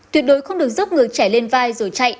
tuyệt đối không được dốc ngược chạy lên vai rồi chạy